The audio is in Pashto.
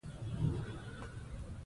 اتومي کتله تکرارېږي.